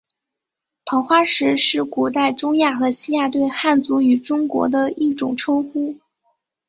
桃花石是古代中亚和西亚对汉族与中国的一种称呼。